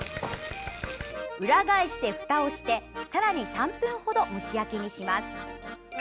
裏返して、ふたをしてさらに３分程、蒸し焼きにします。